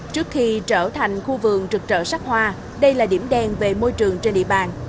trước khi trở thành khu vườn rực rỡ sắc hoa đây là điểm đen về môi trường trên địa bàn